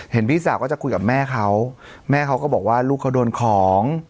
พี่สาวก็จะคุยกับแม่เขาแม่เขาก็บอกว่าลูกเขาโดนของ